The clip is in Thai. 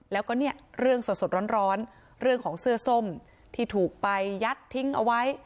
แล้วก็เนี่ยเรื่องสดร้อนเรื่องของเสื้อส้มที่ถูกไปยัดทิ้งเอาไว้